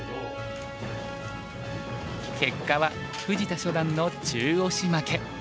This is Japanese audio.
結果は藤田初段の中押し負け。